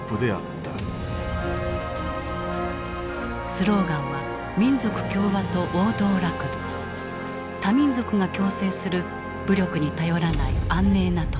スローガンは民族協和と王道楽土多民族が共生する武力に頼らない安寧な土地。